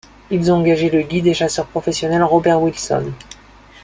Ils ont engagé le guide et chasseur professionnel Robert Wilson.